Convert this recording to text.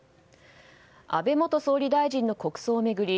安倍元総理大臣の国葬を巡り